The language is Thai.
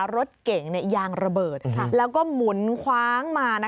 รถเก่งยางระเบิดแล้วก็หมุนคว้างมา